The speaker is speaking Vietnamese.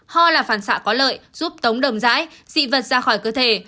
ho là phản xạ có lợi giúp tống đồng rãi dị vật ra khỏi cơ thể